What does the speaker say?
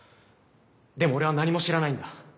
でも俺は何も知らないんだ。